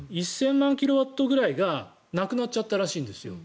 キロワットぐらいがなくなっちゃったらしいんです。